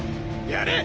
やれ！